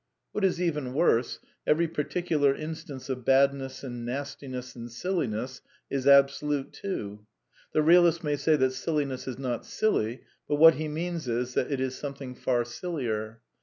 What is even worse, every particular instance of bad ness and nastiness and silliness is absolute too. The real ist may say that silliness is not silly, but what he means is that it is something far sillier.